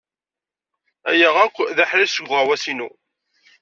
Aya akk d aḥric seg uɣawas-inu.